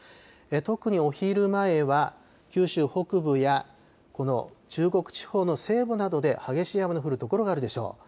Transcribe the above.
特にお昼前は、九州北部やこの中国地方の西部などで激しい雨の降る所があるでしょう。